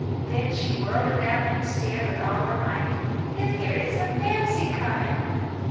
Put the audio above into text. Then she whirled around and stared with all her might, "If there isn't Mamsie coming!"